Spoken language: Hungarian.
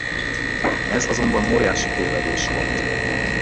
Ez azonban óriási tévedés volt.